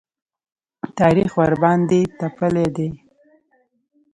تاریخ ورباندې تپلی دی.